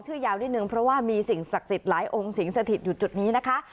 ยาวนิดนึงเพราะว่ามีสิ่งศักดิ์สิทธิ์หลายองค์สิงสถิตอยู่จุดนี้นะคะ